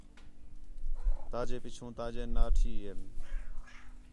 تا جے پِچّھوں تا جے ناٹھی ایں